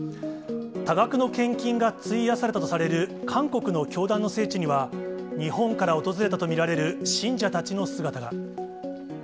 多額の献金が費やされたとされる韓国の教団の聖地には、日本から訪れたと見られる信者たちの姿が。